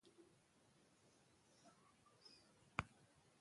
However, he later suffered an injury and did not play for several months.